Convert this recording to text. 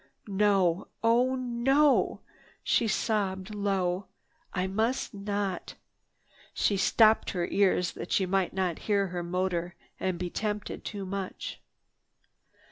"No, oh no!" she sobbed low. "I must not!" She stopped her ears that she might not hear her motor and be tempted too much.